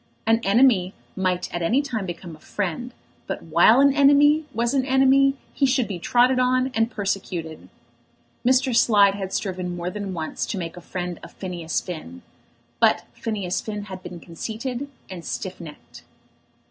An enemy might at any time become a friend, but while an enemy was an enemy he should be trodden on and persecuted. Mr. Slide had striven more than once to make a friend of Phineas Finn; but Phineas Finn had been conceited and stiff necked.